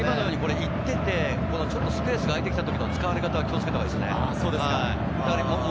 １点でスペースが空いてきた時の使われ方は注意したほうがいいですね。